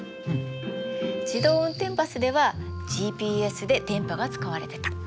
自動運転バスではＧＰＳで電波が使われてた。